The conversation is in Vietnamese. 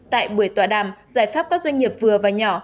tại buổi tọa đàm giải pháp các doanh nghiệp vừa và nhỏ